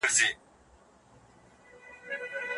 تخلیقي ادب د انسان روح ته ارامتیا بښي.